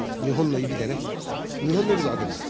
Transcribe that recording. ２本の指で当てるんです